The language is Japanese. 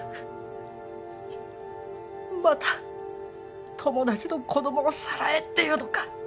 また友達の子供をさらえっていうのか？